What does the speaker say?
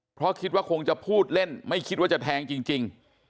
เพราะคิดว่าคงจะพูดเล่นไม่คิดว่าจะแทงจริง